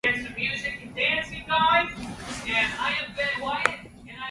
Also part of Pearson Park is Hess Ice Rink and Baseball Field.